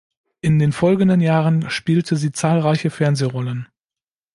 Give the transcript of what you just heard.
In den folgenden Jahren spielte sie zahlreiche Fernsehrollen.